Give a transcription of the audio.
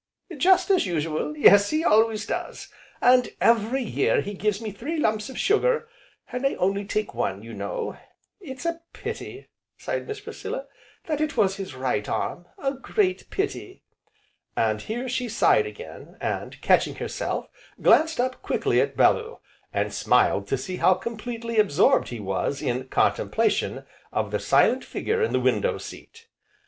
"Just as usual; yes he always does, and every year he gives me three lumps of sugar, and I only take one, you know. It's a pity," sighed Miss Priscilla, "that it was his right arm, a great pity!" And here she sighed again, and, catching herself, glanced up quickly at Bellew, and smiled to see how completely absorbed he was in contemplation of the silent figure in the window seat.